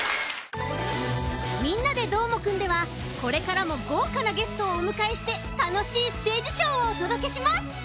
「みんなＤＥどーもくん！」ではこれからもごうかなゲストをおむかえしてたのしいステージショーをおとどけします！